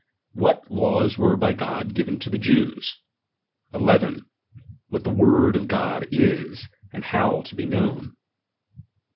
What laws were by God given to the Jews. 1 !. What the word of God is, and how to be known.